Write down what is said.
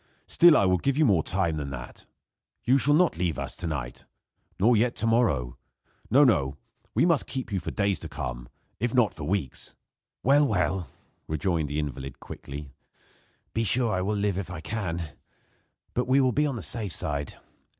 Still, I will give you more time than that. You shall not leave us to night, nor yet to morrow. No, no we must keep you for days to come, if not for weeks." "Well, well," rejoined the invalid, quickly, "be sure I will live if I can; but we will be on the safe side.